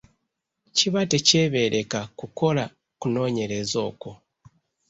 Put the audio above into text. Kiba tekyebeereka kukola kunooyereza okwo.